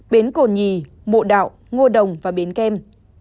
biến cồn nhì mộ đạo ngô đồng và biến kem